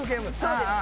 そうです。